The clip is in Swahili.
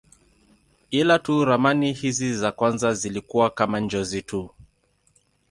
Ila tu ramani hizi za kwanza zilikuwa kama njozi tu.